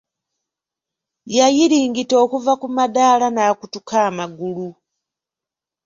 Yayiringita okuva ku madaala n'akutuka amagulu.